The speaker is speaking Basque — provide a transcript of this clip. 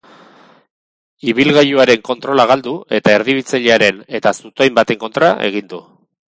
Ibilgailuaren kontrola galdu eta erdibitzailearen eta zutoin baten kontra egin du.